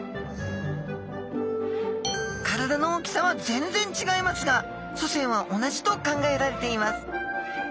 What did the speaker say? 体の大きさは全然違いますが祖先は同じと考えられています。